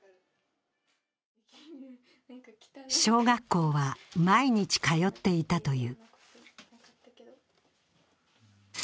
小学校は毎日通っていたという。